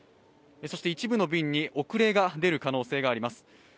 そして一部の便に遅れが出る可能性があります。